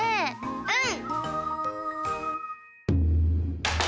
うん！